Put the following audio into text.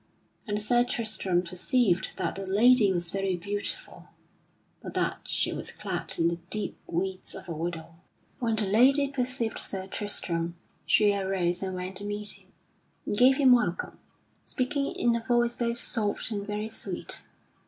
And Sir Tristram perceived that the lady was very beautiful, but that she was clad in the deep weeds of a widow. When the lady perceived Sir Tristram, she arose and went to meet him, and gave him welcome, speaking in a voice both soft and very sweet.